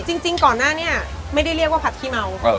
จริงก่อนหน้านี้ไม่ได้เรียกว่าผัดขี้เมา